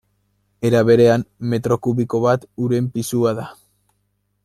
Era berean, metro kubiko bat uren pisua da.